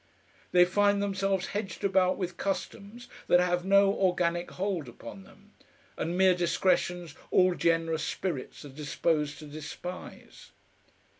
They find themselves hedged about with customs that have no organic hold upon them, and mere discretions all generous spirits are disposed to despise.